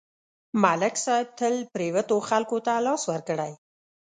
ملک صاحب تل پرېوتو خلکو ته لاس ورکړی